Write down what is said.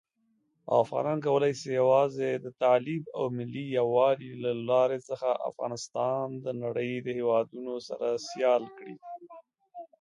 A Brazilian male who can transform into a red tattoo-covered werejaguar.